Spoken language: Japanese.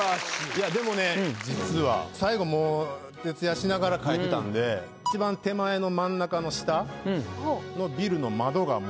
いやでもね実は最後もう徹夜しながら描いてたんでいちばん手前の真ん中の下の。